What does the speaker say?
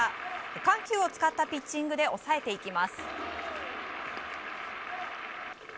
緩急を使ったピッチングで抑えていきます。